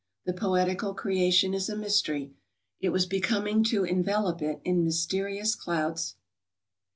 The poetical creation is a mystery; it was becoming to envelope it in mysterious clouds.